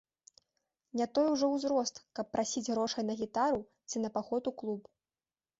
Не той ужо ўзрост, каб прасіць грошай на гітару ці на паход у клуб.